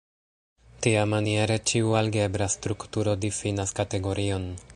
Tiamaniere, ĉiu algebra strukturo difinas kategorion.